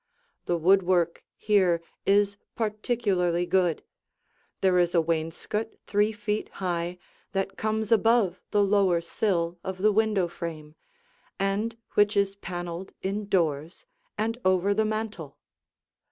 The woodwork here is particularly good; there is a wainscot three feet high that comes above the lower sill of the window frame, and which is paneled in doors and over the mantel.